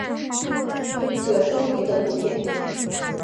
褶胸鱼的图片